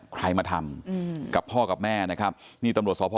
ใครมาทำกับพ่อกับแม่นะครับนี่ตำรวจสพ